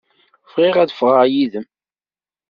Bɣiɣ ad ffɣeɣ yid-m.